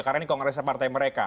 karena ini kongresnya partai mereka